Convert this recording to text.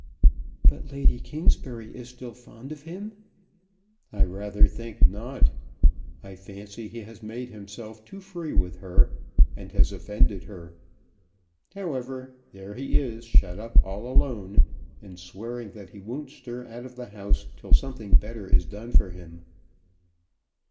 "But Lady Kingsbury is still fond of him?" "I rather think not. I fancy he has made himself too free with her, and has offended her. However, there he is shut up all alone, and swearing that he won't stir out of the house till something better is done for him."